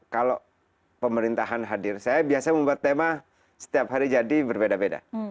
kalau pemerintahan hadir saya biasa membuat tema setiap hari jadi berbeda beda